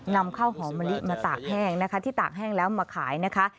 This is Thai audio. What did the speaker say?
นำข้าวหอมมะลิมาตากแห้งนะคะที่ตากแห้งแล้วมาขายนะคะ